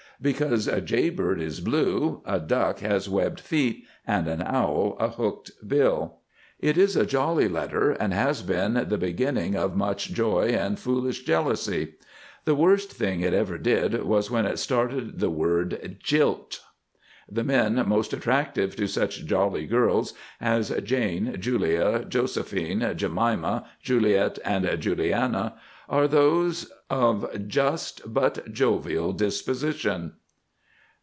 Because a Jay Bird is blue, a Duck has webbed feet, and an Owl a hooked bill. It is a jolly letter and has been the beginning of much Joy and foolish Jealousy. The worst thing it ever did was when it started the word Jilt. The men most attractive to such Jolly girls as Jane, Julia, Josephine, Jemima, Juliet, and Juliana are those of Just but Jovial disposition.